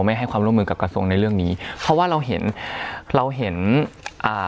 ไม่ให้ความร่วมมือกับกระทรวงในเรื่องนี้เพราะว่าเราเห็นเราเห็นอ่า